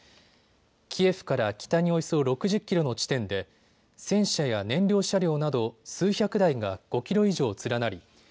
キエフから北におよそ６０キロの地点で戦車や燃料車両など数百台が５キロ以上連なり